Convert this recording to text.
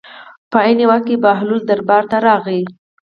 په عین وخت کې بهلول دربار ته راغی.